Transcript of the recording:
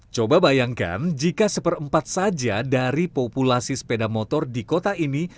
coba bayangkan jika seperempat saja dari populasi sepeda motor di kota ini